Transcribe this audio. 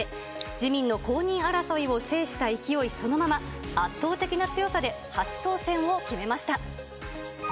自民の公認争いを制した勢いそのまま、圧倒的な強さで初当選を決めました。